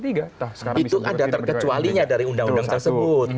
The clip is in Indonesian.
itu ada terkecualinya dari undang undang tersebut